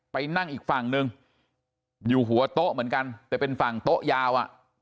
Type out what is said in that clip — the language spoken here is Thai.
ไปนั่งอีกฝั่งนึงอยู่หัวโต๊ะเหมือนกันแต่เป็นฝั่งโต๊ะยาวอ่ะ